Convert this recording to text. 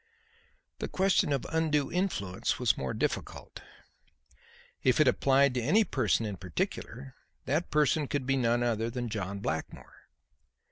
The question of undue influence was more difficult. If it applied to any person in particular, that person could be none other than John Blackmore.